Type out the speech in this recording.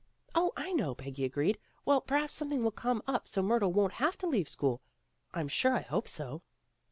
"Oh, I know," Peggy agreed. "Well, per haps something will come up so Myrtle won't have to leave school. I'm sure I hope so."